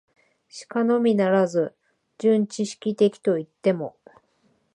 しかのみならず、純知識的といっても、